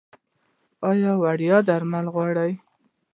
ایا وړیا درمل غواړئ؟